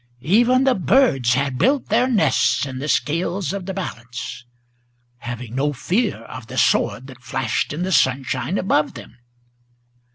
Even the birds had built their nests in the scales of the balance, Having no fear of the sword that flashed in the sunshine above them.